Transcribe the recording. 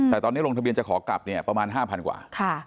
แต่ตอนนี้ลงทะเบียนจะขอกลับเนี่ยประมาณ๕๐๐กว่า